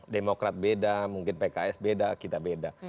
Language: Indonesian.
demokrat beda mungkin pks beda kita beda